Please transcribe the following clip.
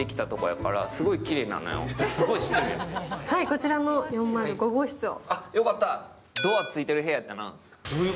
こちらの４０５号室を。